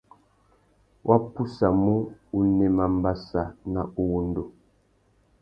Wá pussamú, unema mbassa na uwundu.